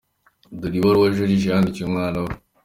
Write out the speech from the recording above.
Dore ibaruwa Joriji yandikiye umwana we:.